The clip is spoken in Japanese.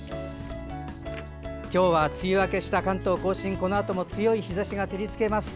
今日、梅雨明けした関東・甲信ではこのあとも強い日ざしが照りつけます。